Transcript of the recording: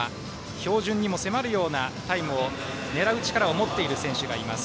標準にも迫るようなタイムを狙う力の持っている選手もいます。